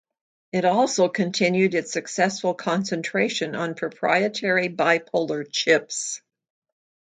It also continued its successful concentration on proprietary bipolar chips.